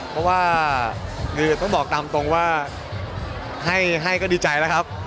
เพราะว่าคือต้องบอกตามตรงว่าให้ก็ดีใจแล้วครับ